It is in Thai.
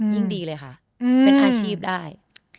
ยิ่งดีเลยค่ะเป็นอาชีพได้